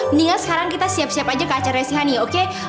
mendingan sekarang kita siap siap aja ke acaranya si hani oke